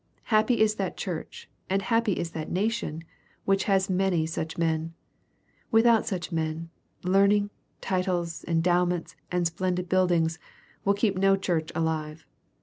Happy is that Church, and happy is that nation, which has many such men. Without such men, learning, titles, endowments, and splendid buildings, will keep no Church alive.